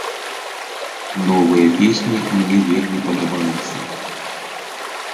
Новыя песні мне вельмі падабаюцца.